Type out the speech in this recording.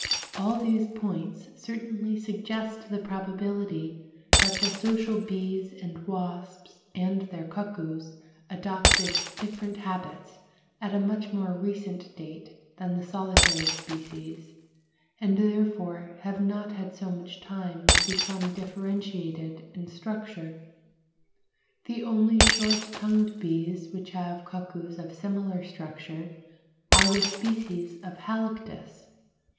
All these points certainly suggest the probability that the social bees and wasps and their cuckoos adopted different habits at a much more recent date than the solitary species, and therefore have not had so much time to become differentiated in structure. The only short tongued bees which have cuckoos of similar structure are the species of Halictus (pl.